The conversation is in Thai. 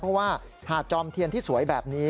เพราะว่าหาดจอมเทียนที่สวยแบบนี้